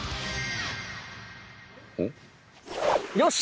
よし！